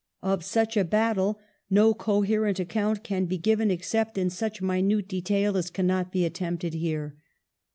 Of such a battle no coherent account can be given except in such minute detail as cannot be attempted here.